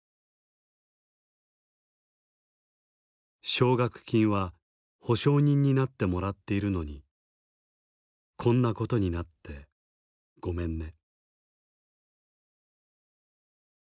「奨学金は保証人になってもらっているのにこんなことになってごめんね」。